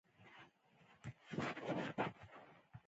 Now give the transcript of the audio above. • د استاد ځوابونه غالباً د وعظ په ډول وو.